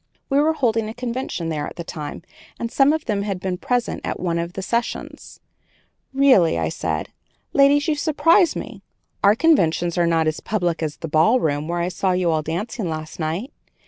We were holding a convention there at that time, and some of them had been present at one of the sessions. "Really," said I, "ladies, you surprise me; our conventions are not as public as the ballroom where I saw you all dancing last night.